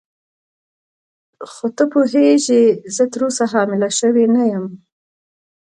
خو ته پوهېږې زه تراوسه حامله شوې نه یم.